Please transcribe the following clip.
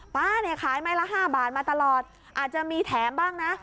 ๊าเนี่ยขายไม้ละ๕บาทมาตลอดอาจจะมีแถมบ้างนะ